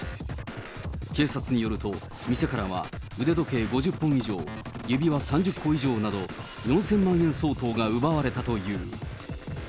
警察によると、店からは腕時計５０本以上、指輪３０個以上など、４０００万円相当が奪われたという。